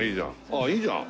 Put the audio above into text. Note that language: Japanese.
あっいいじゃん。